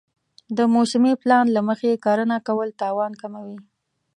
د موسمي پلان له مخې کرنه کول تاوان کموي.